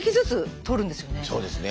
そうですね。